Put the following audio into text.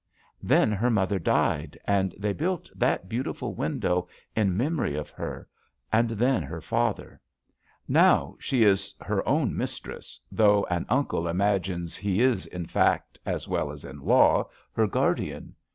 "Then her mother died, and they built that autiful window in memory of her, and then JUST SWEETHEARTS her father. Now, she is her own mistress, though an uncle imagines he is, in fact, as well as in law, her guardian.